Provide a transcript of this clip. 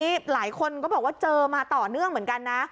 นี่หลายคนก็บอกว่าเจอมาต่อเนื่องเหมือนกันนะ